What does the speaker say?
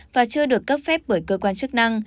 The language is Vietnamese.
và chưa được cấp phép bởi cơ quan chức năng